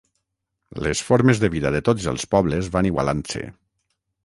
Les formes de vida de tots els pobles van igualant-se.